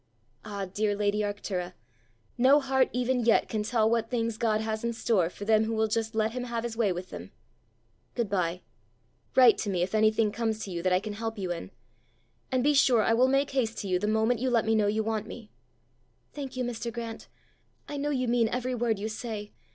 Ah, dear lady Arctura! no heart even yet can tell what things God has in store for them who will just let him have his way with them. Good bye. Write to me if anything comes to you that I can help you in. And be sure I will make haste to you the moment you let me know you want me." "Thank you, Mr. Grant: I know you mean every word you say!